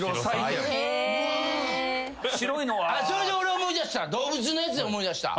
それで俺思い出した。